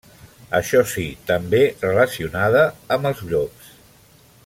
Això sí: també relacionada amb els llops.